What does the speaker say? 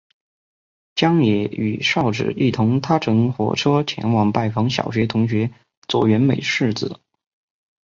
将也与硝子一同搭乘火车前去拜访小学同学佐原美世子。